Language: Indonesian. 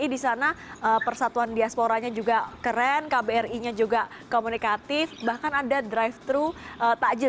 di sana persatuan diasporanya juga keren kbri nya juga komunikatif bahkan ada drive thru takjil